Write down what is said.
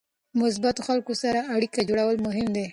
مثبتو خلکو سره اړیکه جوړول مهم دي.